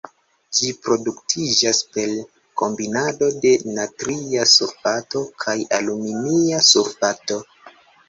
Ĝi produktiĝas per kombinado de natria sulfato kaj aluminia sulfato.